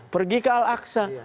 pergi ke al aqsa